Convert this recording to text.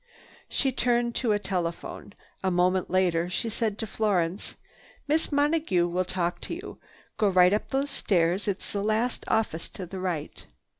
She turned to a telephone. A moment later she said to Florence, "Miss Monague will talk to you. Go right up those stairs. It's the last office to the right."